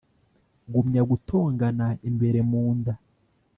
ngumya gutongana imbere mu nda